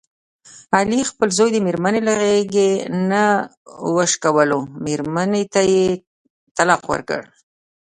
علي خپل زوی د مېرمني له غېږې نه وشکولو، مېرمنې ته یې طلاق ورکړ.